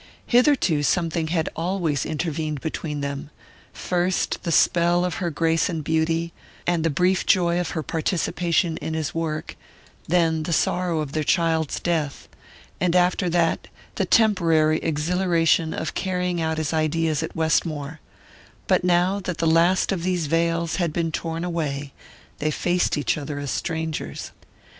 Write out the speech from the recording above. Hitherto something had always intervened between them first the spell of her grace and beauty, and the brief joy of her participation in his work; then the sorrow of their child's death, and after that the temporary exhilaration of carrying out his ideas at Westmore but now that the last of these veils had been torn away they faced each other as strangers.